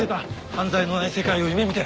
犯罪のない世界を夢見て。